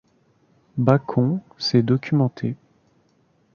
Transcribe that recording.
Bacon s'est documenté.